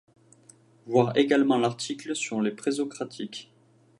Voir également l'article sur les Présocratiques.